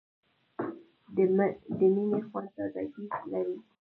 د مڼې خوند تازهګۍ لري.